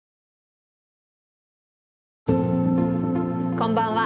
こんばんは。